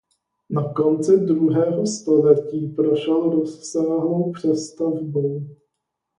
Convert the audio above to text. Na konci druhého století prošel rozsáhlou přestavbou.